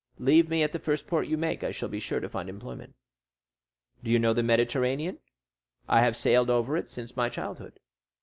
Leave me at the first port you make; I shall be sure to find employment." "Do you know the Mediterranean?" "I have sailed over it since my childhood."